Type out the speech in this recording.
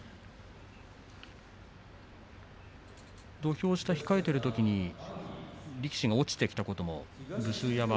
土俵下、控えているときに力士が落ちてきたことはありましたか？